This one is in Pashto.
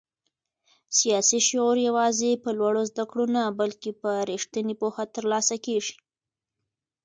سیاسي شعور یوازې په لوړو زده کړو نه بلکې په رښتینې پوهه ترلاسه کېږي.